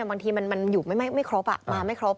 บางทีมันอยู่ไม่ครบมาไม่ครบ